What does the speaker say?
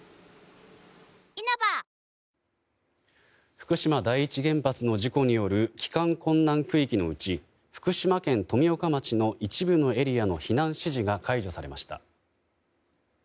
福島第一原発の事故による帰還困難区域のうち福島県富岡町の一部のエリアの避難指示が解除されました。